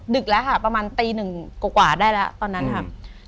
ดึกแล้วค่ะประมาณตีหนึ่งกว่าได้แล้วตอนนั้นค่ะ